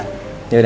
pulang ke jakarta